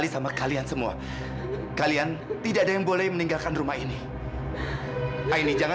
sampai jumpa di video selanjutnya